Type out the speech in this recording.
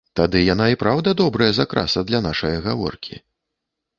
Тады яны і праўда добрая закраса для нашае гаворкі.